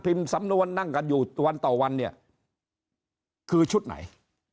สำนวนนั่งกันอยู่วันต่อวันเนี่ยคือชุดไหน